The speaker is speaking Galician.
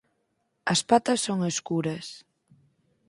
As patas son escuras.